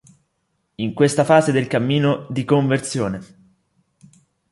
In questa fase del cammino di conversione.